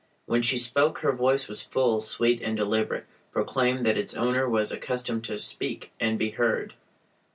When she spoke her voice, full, sweet, and deliberate, proclaimed that its owner was accustomed to speak and be heard.